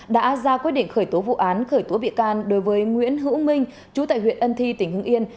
đã ra quyết định khởi tố vụ án khởi tố bị can đối với nguyễn hữu minh chú tại huyện ân thi tỉnh hưng yên